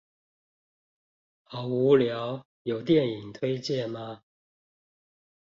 好無聊，有電影推薦嗎